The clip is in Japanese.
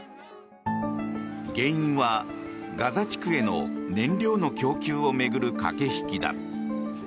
原因はガザ地区への燃料の供給を巡る駆け引きだ。